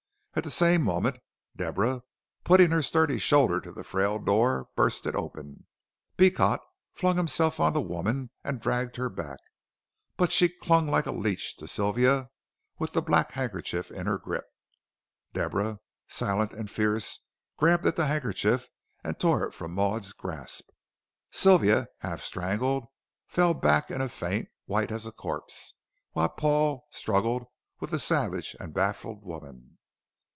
At the same moment Deborah, putting her sturdy shoulder to the frail door, burst it open. Beecot flung himself on the woman and dragged her back. But she clung like a leech to Sylvia with the black handkerchief in her grip. Deborah, silent and fierce, grabbed at the handkerchief, and tore it from Maud's grasp. Sylvia, half strangled, fell back in a faint, white as a corpse, while Paul struggled with the savage and baffled woman.